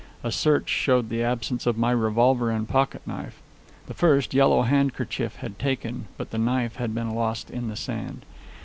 A search showed the absence of my revolver and pocket knife. The first Yellow Handkerchief had taken; but the knife had been lost in the sand.